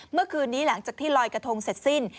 เมื่อคืนนี้หลังจากที่ลอยกระทงเสร็จสิ้น